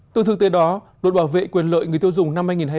từ thực tế đó luật bảo vệ quyền lợi người tiêu dùng năm hai nghìn hai mươi ba